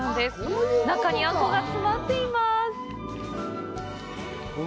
中にあんこが詰まっています。